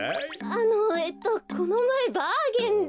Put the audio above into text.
あのえっとこのまえバーゲンで。